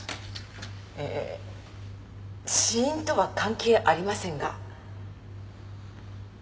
えっえっ死因とは関係ありませんが？